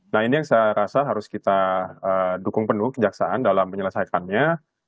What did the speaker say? nah ini yang saya rasa harus kita dukung penuh kejaksaan dalam menyelesaikannya